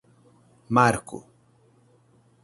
Marco